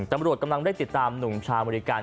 ตำรวจกำลังได้ติดตามหนุ่มชาวอเมริกัน